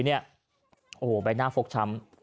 โอ้โหใบหน้าฟกช้ำ